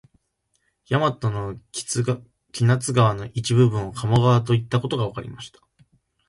大和の木津川の一部分を鴨川といったことがわかりました